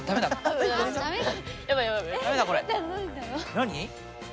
何？